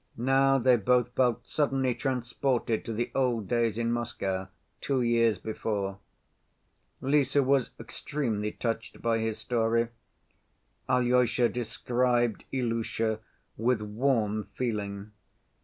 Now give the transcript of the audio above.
Now they both felt suddenly transported to the old days in Moscow, two years before. Lise was extremely touched by his story. Alyosha described Ilusha with warm feeling.